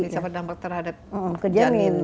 bisa berdampak terhadap ke janin